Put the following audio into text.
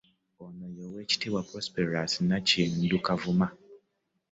Ono ye Oweekitiibwa Prosperous Nankindu Kavuma